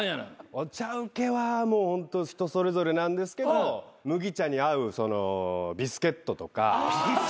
お茶請けはもうホント人それぞれなんですけど麦茶に合うビスケットとか。